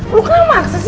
lu kenapa maksasi